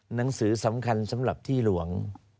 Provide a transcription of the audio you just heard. หนังสือสำคัญสำหรับที่หลวง